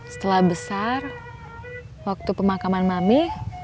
setelah besar waktu pemakaman mami